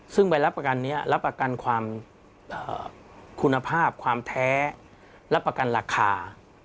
ซึ่งใบรับประกันนี้รับประกันความคุณภาพความแท้รับประกันราคา